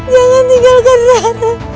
jangan tinggalkan rara